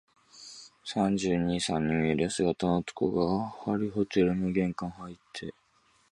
三十二、三に見えるやせ型の男が、張ホテルの玄関をはいって、